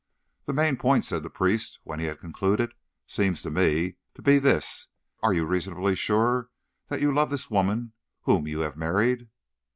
"The main point," said the priest, when he had concluded, "seems to me to be this—are you reasonably sure that you love this woman whom you have married?"